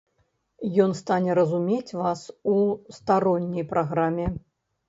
Ён стане разумець вас у старонняй праграме.